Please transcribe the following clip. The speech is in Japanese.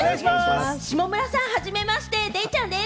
下村さん、初めまして、デイちゃんです。